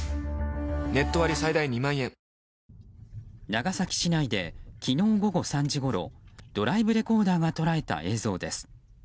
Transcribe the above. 長崎市内で昨日午後３時ごろドライブレコーダーが捉えた映像です。